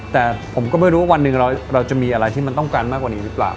แต่ผมก็ไม่รู้ว่าวันหนึ่งเราจะมีอะไรที่มันต้องการมากกว่านี้หรือเปล่า